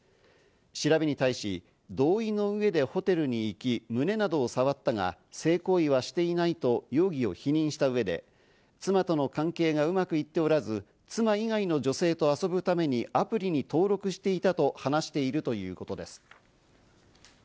調べに対し、同意の上でホテルに行き、胸などを触ったが性行為はしていないと容疑を否認した上で妻との関係がうまくいっておらず、妻以外の女性と遊ぶためにアプリに登録していたと話しているということです。